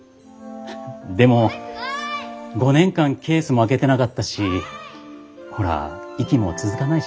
でも５年間ケースも開けてなかったしほら息も続かないしね。